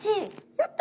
やった！